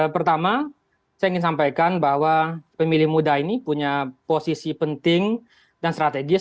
pertama saya ingin sampaikan bahwa pemilih muda ini punya posisi penting dan strategis